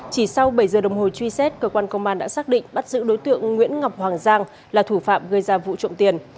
chỉ sau bảy giờ đồng hồ truy xét cơ quan công an đã xác định bắt giữ đối tượng nguyễn ngọc hoàng giang là thủ phạm gây ra vụ trộm tiền